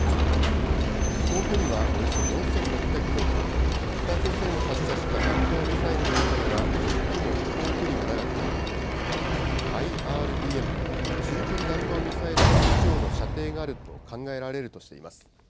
飛行距離はおよそ４６００キロと、北朝鮮が発射した弾道ミサイルの中では最も飛行距離が長く、ＩＲＢＭ・中距離弾道ミサイル級以上の射程があると考えられるとしています。